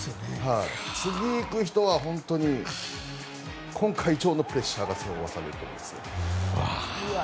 次、行く人は本当に今回以上のプレッシャーがかされますね。